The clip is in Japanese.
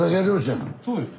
そうです。